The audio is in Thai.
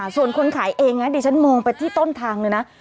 ส่วนคนขายเองนะดิฉันมองไปที่ต้นทางเลยนะ